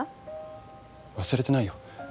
忘れてないよ。